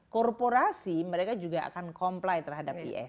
korporasi mereka juga akan comply terhadap es